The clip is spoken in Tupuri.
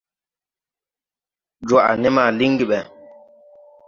Jwaʼ ne ma liŋgi ɓɛ.